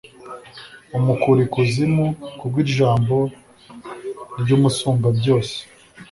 umukura ikuzimu, ku bw’ijambo ry’Umusumbabyose;